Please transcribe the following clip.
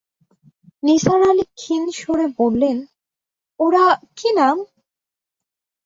নিসার আলি ক্ষীণ স্বরে বললেন, ওরা কী নাম?